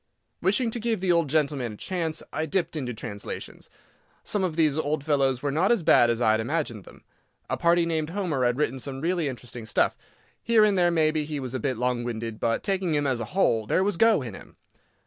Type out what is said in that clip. Wishing to give the old gentleman a chance, I dipped into translations. Some of these old fellows were not as bad as I had imagined them. A party named Homer had written some really interesting stuff. Here and there, maybe, he was a bit long winded, but, taking him as a whole, there was "go" in him.